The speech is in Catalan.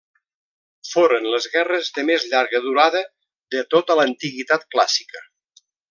Foren les guerres de més llarga durada de tota l'antiguitat clàssica.